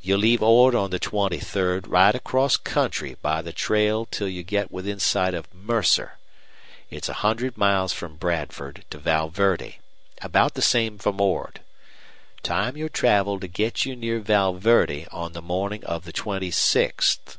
You'll leave Ord on the twenty third, ride across country by the trail till you get within sight of Mercer. It's a hundred miles from Bradford to Val Verde about the same from Ord. Time your travel to get you near Val Verde on the morning of the twenty sixth.